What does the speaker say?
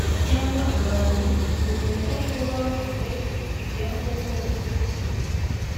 cyangwa abantu bugomba kuba bufite ibyangombwa bikurikira: